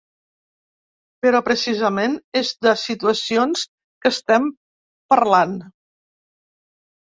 Però precisament, és de situacions que estem parlant!